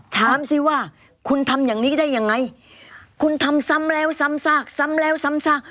ถามสิว่าคุณทำอย่างนี้ได้ยังไงคุณทำซ้ำแล้วซ้ำซากซ้ำแล้วซ้ำซาก